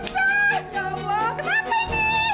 ya allah kenapa ini